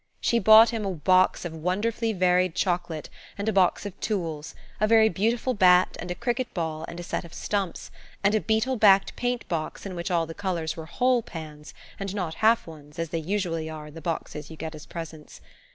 She bought him a box of wonderfully varied chocolate and a box of tools, a very beautiful bat and a cricket ball and a set of stumps, and a beetle backed paint box in which all the colours were whole pans, and not half ones, as they usually are in the boxes you get as presents.